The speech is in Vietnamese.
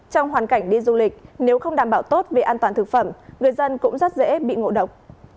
trong hoàn cảnh đi du lịch nếu không đảm bảo tốt về an toàn thực phẩm người dân cũng rất dễ bị ngộ độc